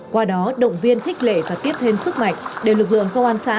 qua đó động viên khích lệ và tiếp thêm sức mạnh để lực lượng công an xã